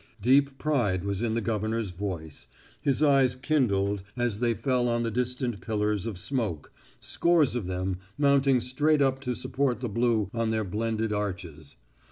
Deep pride was in the governor's voice. His eyes kindled as they fell on the distant pillars of smoke scores of them mounting straight up to support the blue on their blended arches.